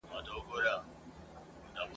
ماشوم به څرنګه سړه شپه تر سهاره یوسی !.